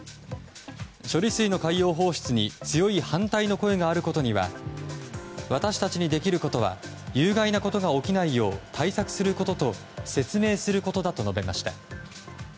処理水の海洋放出に強い反対の声があることには私たちにできることは有害なことが起きないよう対策することと説明することだと述べました。